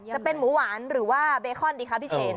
จะเป็นหมูหวานหรือว่าเบคอนดีคะพี่เชน